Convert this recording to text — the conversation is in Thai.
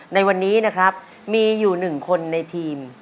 ในวันนี้นะครับมีอยู่๑คนในทีม